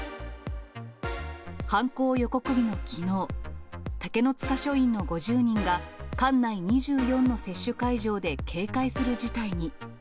犯行予告日のきのう、竹の塚署員の５０人が、管内２４の接種会場で警戒する事態に。